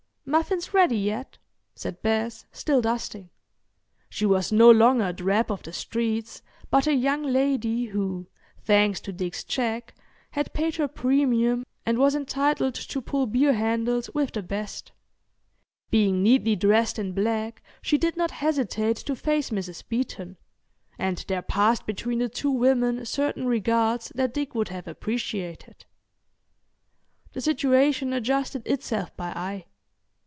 "Muffins ready yet?" said Bess, still dusting. She was no longer a drab of the streets but a young lady who, thanks to Dick's check, had paid her premium and was entitled to pull beer handles with the best. Being neatly dressed in black she did not hesitate to face Mrs. Beeton, and there passed between the two women certain regards that Dick would have appreciated. The situation adjusted itself by eye.